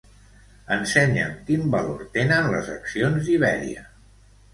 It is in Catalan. Ensenya'm quin valor tenen les accions d'Iberia.